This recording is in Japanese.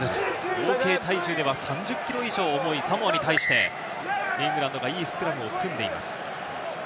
合計体重では３０キロ以上重いサモアに対して、イングランドがいいスクラムを組んでいます。